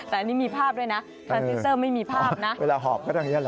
แต่อันนี้มีภาพด้วยนะพรานซิสเซอร์ไม่มีภาพนะเวลาหอบก็ต้องอย่างนี้ห